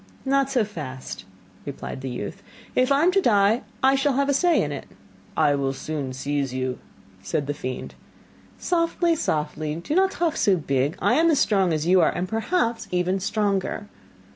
'Not so fast,' replied the youth. 'If I am to die, I shall have to have a say in it.' 'I will soon seize you,' said the fiend. 'Softly, softly, do not talk so big. I am as strong as you are, and perhaps even stronger.